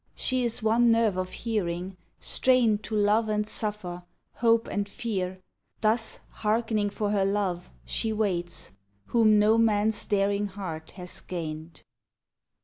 She is one nerve of hearing, strained To love and suffer, hope and fear Thus, hearkening for her Love, she waits, Whom no man's daring heart has gained.